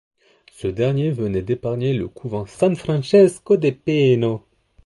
Ce dernier venait d'épargner le couvent San Francesco de Pino.